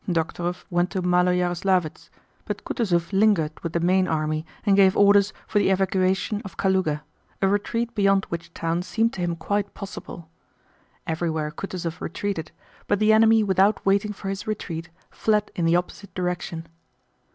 Dokhtúrov went to Málo Yaroslávets, but Kutúzov lingered with the main army and gave orders for the evacuation of Kalúga—a retreat beyond which town seemed to him quite possible. Everywhere Kutúzov retreated, but the enemy without waiting for his retreat fled in the opposite direction.